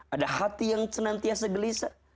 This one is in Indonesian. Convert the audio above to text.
ada hati yang senantiasa gelisah